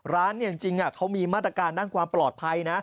ร้านเนี้ยจริงจริงอ่ะเขามีมาตรการด้านความปลอดภัยนะ